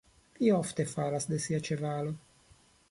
Li ofte falas de sia ĉevalo.